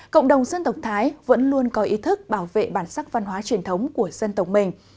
cộng đồng dân tộc thái vẫn luôn có ý thức bảo vệ bản sắc văn hóa truyền thống của dân tộc mình